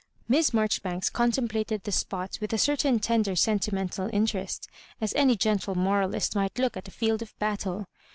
Miss Maijoribanks contemplated the spot with a certain tender sentimental interest, as any gentle moralist might look at a field of battle.